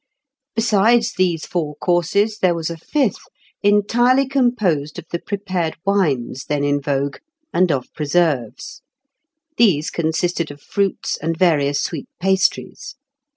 Besides these four courses, there was a fifth, entirely composed of the prepared wines then in vogue, and of preserves. These consisted of fruits and various sweet pastries.